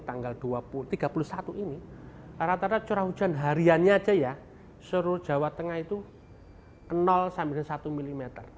tanggal tiga puluh satu ini rata rata curah hujan hariannya aja ya seluruh jawa tengah itu sampai satu mm